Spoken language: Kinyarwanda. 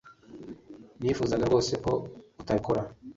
Nifuzaga rwose ko utabikora